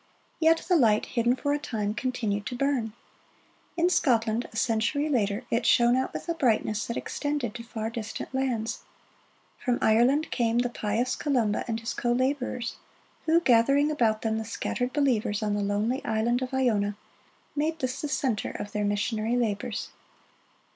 Yet the light, hidden for a time, continued to burn. In Scotland, a century later, it shone out with a brightness that extended to far distant lands. From Ireland came the pious Columba and his co laborers, who, gathering about them the scattered believers on the lonely island of Iona, made this the center of their missionary labors.